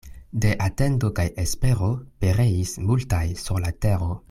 De atendo kaj espero pereis multaj sur la tero.